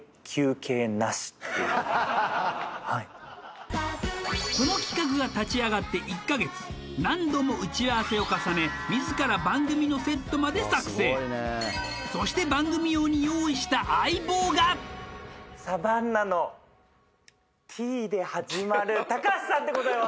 はいこの企画が立ち上がって１カ月何度も打ち合わせを重ね自ら番組のセットまで作成そして番組用に用意した相棒が高橋さんでございます